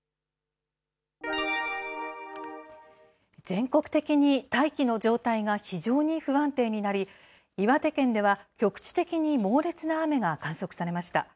全国的に大気の状態が非常に不安定になり、岩手県では局地的に猛烈な雨が観測されました。